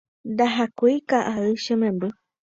Ndahakúi ka'ay che memby